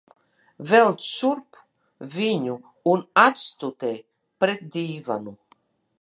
Velc šurp viņu un atstutē pret dīvānu.